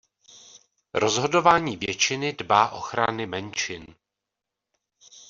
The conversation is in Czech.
Rozhodování většiny dbá ochrany menšin.